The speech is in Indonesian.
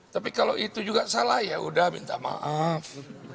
tapi kalau itu juga salah yaudah minta maaf